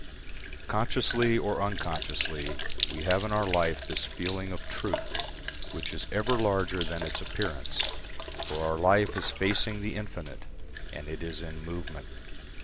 Consciously or unconsciously we have in our life this feeling of Truth which is ever larger than its appearance; for our life is facing the infinite, and it is in movement.